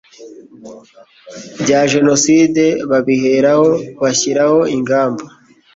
bya jenoside babiheraho bashyiraho ingamba